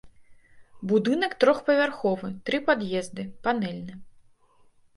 Будынак трохпавярховы, тры пад'езды, панэльны.